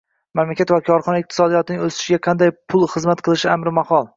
Mamlakat va korxona iqtisodiyotining o‘sishiga bunday pul xizmat qilishi amri mahol.